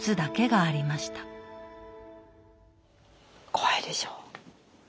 怖いでしょう？